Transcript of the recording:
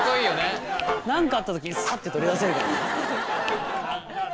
何かあった時にサッて取り出せるからね。